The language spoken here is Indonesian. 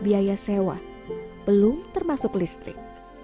biaya sewa belum termasuk listrik